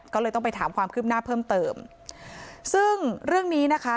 ก็เลยต้องไปถามความคืบหน้าเพิ่มเติมซึ่งเรื่องนี้นะคะ